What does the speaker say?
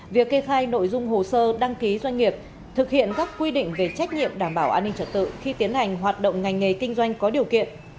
việc kê khai nội dung hồ sơ đăng ký doanh nghiệp thực hiện các quy định về trách nhiệm đảm bảo an ninh trật tự khi tiến hành hoạt động ngành nghề kinh doanh có điều kiện